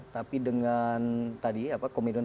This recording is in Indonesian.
tapi dengan tadi komitmen